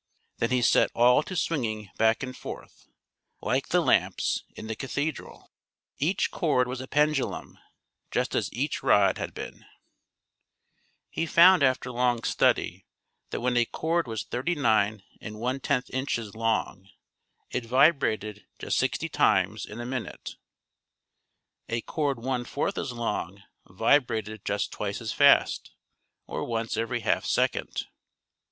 Then he set all to swinging back and forth, like the lamps in the cathedral. Each cord was a pendu lum, just as each rod had been. He found after long study that when a cord was 39^^ inches long, it vibrated just sixty times in a 36 THIRTY MORE FAMOUS STORIES minute. A cord one fourth as long vibrated just twice as fast, or once every half second.